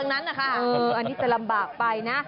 อันนี้จะลำบากไปนะ